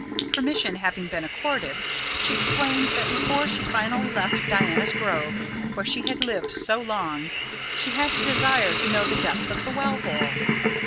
Permission having been accorded, she explained that before she finally left Diana's Grove, where she had lived so long, she had a desire to know the depth of the well hole.